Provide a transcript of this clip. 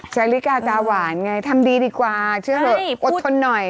ชาลิกาตาหวานไงทำดีดีกว่าเชื่อเถอะอดทนหน่อย